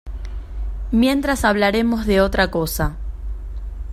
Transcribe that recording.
Mientras hablaremos de otra cosa.